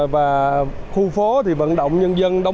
và khu phố thì vận động nhân dân